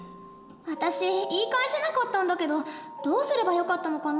私言い返せなかったんだけどどうすればよかったのかな？